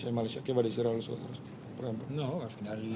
saya ingin membuat mereka menikmati semisal ini